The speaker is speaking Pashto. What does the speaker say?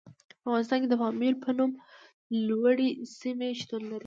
په افغانستان کې د پامیر په نوم لوړې سیمې شتون لري.